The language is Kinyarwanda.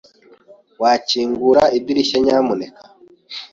Wakingura idirishya, nyamuneka?